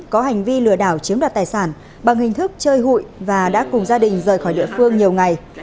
có hành vi lừa đảo chiếm đoạt tài sản bằng hình thức chơi hụi và đã cùng gia đình rời khỏi địa phương nhiều ngày